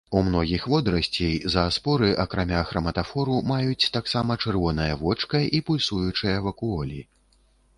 У многіх водарасцей зааспоры, акрамя храматафору, маюць таксама чырвонае вочка і пульсуючыя вакуолі.